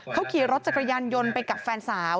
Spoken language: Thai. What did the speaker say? เขาขี่รถจักรยานยนต์ไปกับแฟนสาว